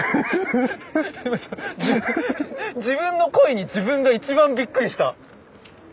自分の声に自分が一番びっくりした！